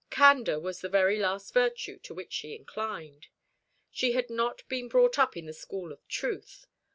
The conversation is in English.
Candour was the very last virtue to which she inclined. She had not been brought up in the school of truth.